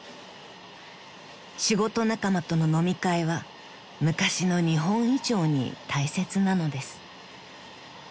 ［仕事仲間との飲み会は昔の日本以上に大切なのです］